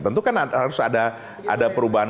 tentu kan harus ada perubahan